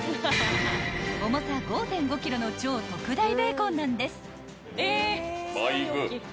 ［重さ５．５ｋｇの超特大ベーコンなんです］